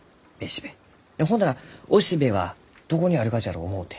ほんなら雄しべはどこにあるがじゃろう思うて。